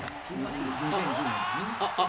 ２０１０年あっああっ！